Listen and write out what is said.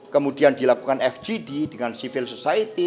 kemudian dilakukan fgd dengan civil society